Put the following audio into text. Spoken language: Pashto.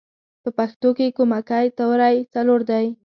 په پښتو کې کومکی توری څلور دی